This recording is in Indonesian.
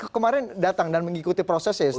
kemarin datang dan mengikuti prosesnya